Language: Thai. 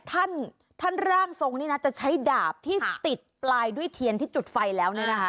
ท่านท่านร่างทรงนี่นะจะใช้ดาบที่ติดปลายด้วยเทียนที่จุดไฟแล้วเนี่ยนะคะ